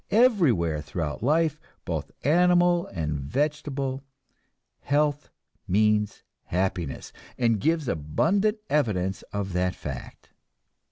Everywhere throughout life, both animal and vegetable, health means happiness, and gives abundant evidence of that fact.